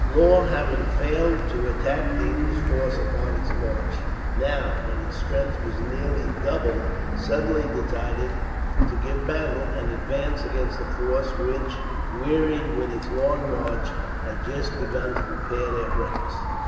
Law, having failed to attack the English force upon its march, now, when its strength was nearly doubled, suddenly decided to give battle, and advanced against the force which, wearied with its long march, had just begun to prepare their breakfast.